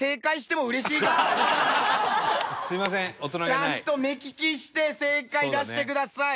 ちゃんと目利きして正解出してください。